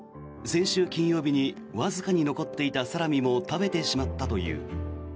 先週金曜日にわずかに残っていたサラミも食べてしまったという。